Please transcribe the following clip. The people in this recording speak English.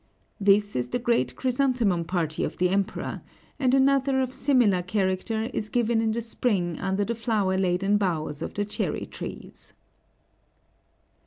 This is the great chrysanthemum party of the Emperor, and another of similar character is given in the spring under the flower laden boughs of the cherry trees.